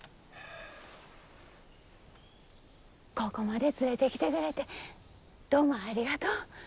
ここまで連れてきてくれてどうもありがとう。